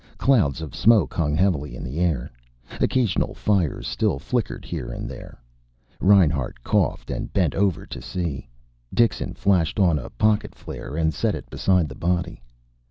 Clouds of smoke hung heavily in the air. Occasional fires still flickered here and there. Reinhart coughed and bent over to see. Dixon flashed on a pocket flare and set it beside the body.